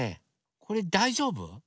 これだいじょうぶ？